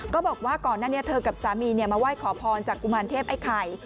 ก็บอกว่าก่อนหน้านี้เธอกับสามีมาไหว้ขอพรจากกุมารเทพไอ้ไข่